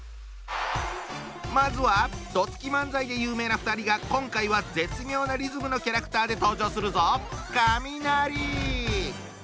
まずはどつき漫才で有名な２人が今回は絶妙なリズムのキャラクターで登場するぞ！